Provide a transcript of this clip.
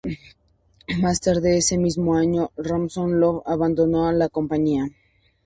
Más tarde ese mismo año, Ransom Love abandonó la compañía.